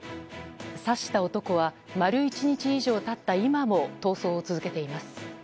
刺した男は丸１日以上経った今も逃走を続けています。